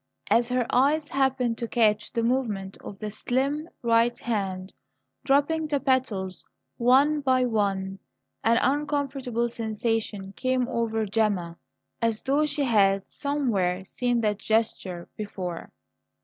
As her eyes happened to catch the movement of the slim right hand dropping the petals, one by one, an uncomfortable sensation came over Gemma, as though she had somewhere seen that gesture before.